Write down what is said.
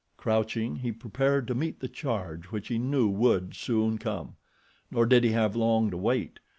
Crouching, he prepared to meet the charge which he knew would soon come, nor did he have long to wait.